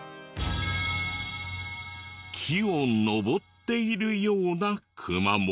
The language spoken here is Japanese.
木を登っているようなクマも。